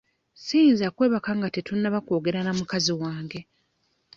Siyinza kwebaka nga tetunnaba kwogera na mukazi wange.